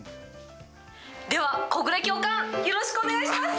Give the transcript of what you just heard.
では小暮教官、よろしくお願いします。